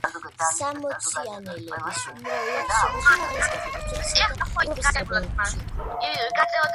სამოციანელების უმრავლესობას უმაღლესი განათლება რუსეთსა და ევროპის სასწავლებლებში ჰქონდა მიღებული.